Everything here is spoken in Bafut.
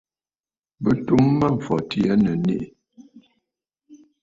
Bɨ tum Mâmfɔtì aa nɨ̀ nèʼè.